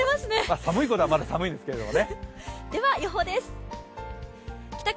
寒いことはまだ寒いんですけどね。